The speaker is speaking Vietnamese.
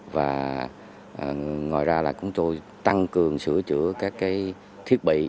và ngoài ra là chúng tôi tăng cường sửa chữa các cái thiết bị